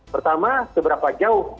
pertama seberapa jauh